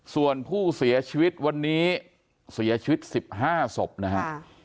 ส่วนผู้เสียชีวิตวันนี้เสียชีวิต๑๕ศพนะฮะ